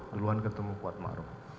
duluan ketemu kuat ma'ruf